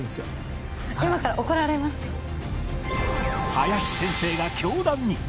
林先生が教壇に